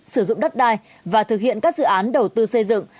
sử dụng đất đai và thực hiện các dự án đầu tư xây dựng